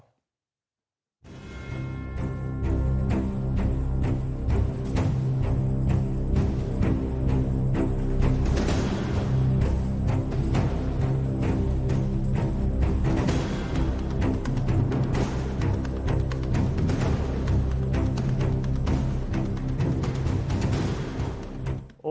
โน้ท